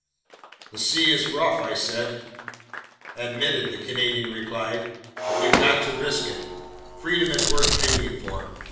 "The sea is rough," I said. "Admitted," the Canadian replied, "but we've got to risk it. Freedom is worth paying for.